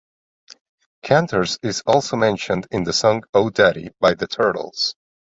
Canter's is also mentioned in the song, "Oh Daddy," by The Turtles.